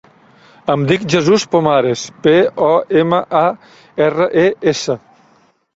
Em dic Jesús Pomares: pe, o, ema, a, erra, e, essa.